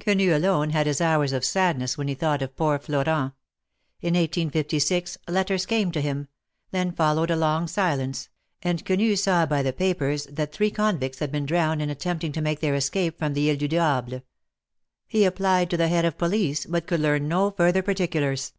Quenu alone, had his hours of sadness when he thought of poor Florent. In 1856, letters came to him — then followed a long silence, and Quenu saw by the papers that three convicts had been drowned in attempting to make their escape from the He du Diable. He applied to the Head of Police, but could learn no further par ticulars.